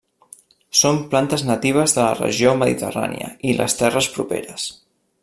Són plantes natives de la regió mediterrània i les terres properes.